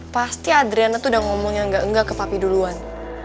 pasti adriana tuh udah ngomong yang enggak ke papi duluan